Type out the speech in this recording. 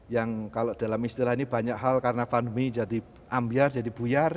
yang kalau dalam istilah ini banyak hal karena pandemi jadi ambiar jadi buyar